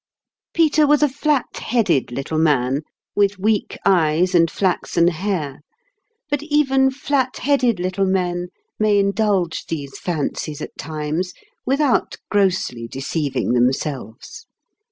Peter was a flat headed little man, with 10 weak eyes and flaxen hair; but even flat headed little men may indulge these fancies at times, without grossly deceiving themselves.